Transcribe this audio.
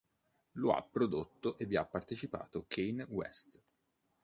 Lo ha prodotto e vi ha partecipato Kanye West.